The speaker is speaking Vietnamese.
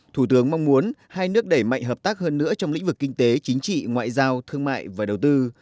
thủ tướng mong muốn hai nước đẩy mạnh hợp tác hơn nữa trong lĩnh vực kinh tế chính trị ngoại giao thương mại và đầu tư